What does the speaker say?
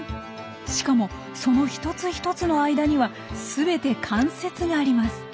しかもその一つ一つの間にはすべて関節があります。